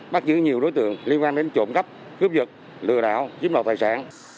bắt giữ nhiều đối tượng liên quan đến trộm cắp cướp dựt lừa đạo chiếm đồ tài sản